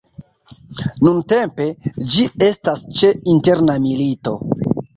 Nuntempe, ĝi estas ĉe interna milito.